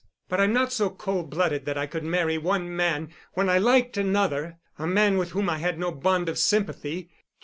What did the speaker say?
But I'm not so cold blooded that I could marry one man when I liked another—a man with whom I had no bond of sympathy.